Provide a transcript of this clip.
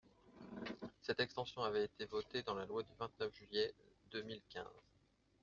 Cette extension avait été votée dans la loi du vingt-neuf juillet deux mille quinze.